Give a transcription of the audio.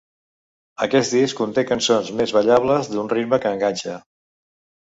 Aquest disc conté cançons més ballables, d'un ritme que enganxa.